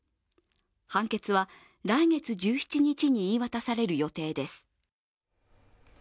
判決は来月１７日に言い渡される予定です。